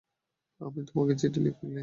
আমি তোমাকে চিঠিগুলো লিখিনি।